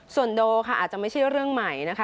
ส่วนโดค่ะอาจจะไม่ใช่เรื่องใหม่นะคะ